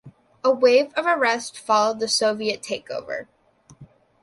A wave of arrests followed the Soviet takeover.